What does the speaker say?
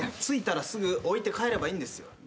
着いたらすぐ置いて帰ればいいんですよ。